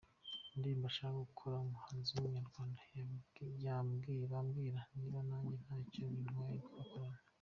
indirimbo ashaka gukora n’umuhanzi w’umunyarwanda bambwira niba nanjye ntacyo bintwaye twakorana.